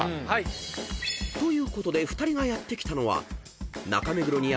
［ということで２人がやって来たのは］